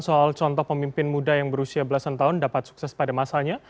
soal contoh pemimpin muda yang berusia belasan tahun dapat sukses pada masanya